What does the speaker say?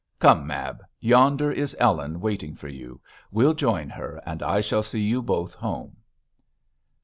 Come, Mab, yonder is Ellen waiting for you. We'll join her, and I shall see you both home.'